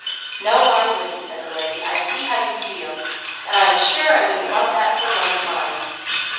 "No, I wouldn't," said the lady. "I see how you feel, and I am sure I wouldn't want that for one of mine."